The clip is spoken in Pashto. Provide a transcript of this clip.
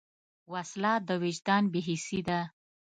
وسله د وجدان بېحسي ده